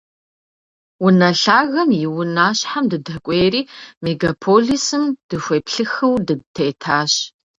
Унэ лъагэм и унащхьэм дыдэкӏуейри, мегаполисым дыхуеплъыхыу дытетащ.